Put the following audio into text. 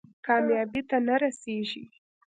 کامیابۍ ته نه رسېږي.